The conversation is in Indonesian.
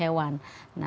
dari keberadaan si hewan